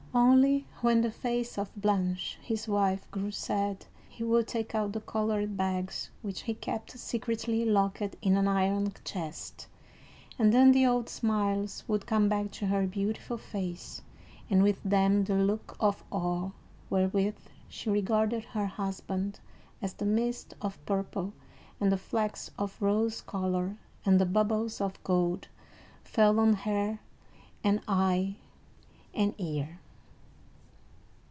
Only, when the face of Blanche, his wife, grew sad, he would take out the colored bags, which he kept secretly locked in an iron chest, and then the old smiles would come back to her beautiful face, and with them the look of awe wherewith she regarded her husband, as the mist of purple, and the flecks of rose color, and the bubbles of gold, fell on hair and eye and ear.